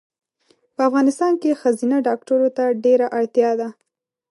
په افغانستان کې ښځېنه ډاکټرو ته ډېره اړتیا ده